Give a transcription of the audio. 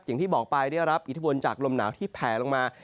อย่างที่บอกไปได้รับอิทธิพลจากลมหนาวที่แผลลงมา